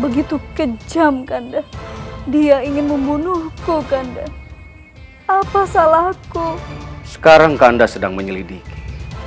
begitu kejam kanda dia ingin membunuh kok anda apa salahku sekarang kanda sedang menyelidiki